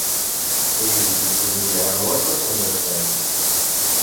Yejbed-d lwelha n waṭas n medden.